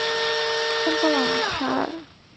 圣布朗卡尔。